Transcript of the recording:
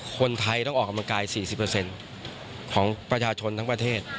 คนไทยต้องออกกำลังกาย๔๐ของประชาชนทั้งประเทศ